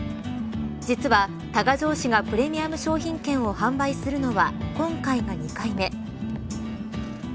実は多賀城市がプレミアム商品券を販売するのは今回が２回目。